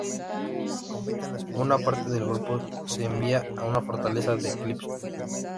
Una parte del grupo se envía a la fortaleza de Eclipso.